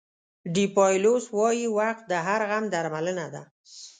ډیپایلوس وایي وخت د هر غم درملنه ده.